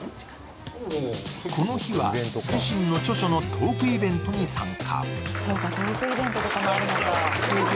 この日は自身の著書のトークイベントに参加。